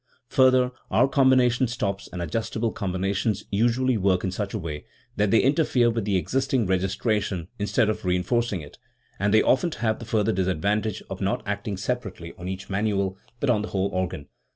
Further, our combination stops and adjustable combinations usually work in such a way that they interfere with the existing registration instead of reinforcing it; and they often have the further disadvantage of not acting separate ly on each manual, but on the whole organ.